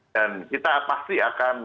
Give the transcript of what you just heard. dan kita pasti akan